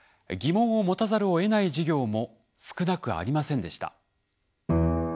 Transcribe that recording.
疑問を持たざるをえない事業も少なくありませんでした。